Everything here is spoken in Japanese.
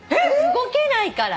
動けないから。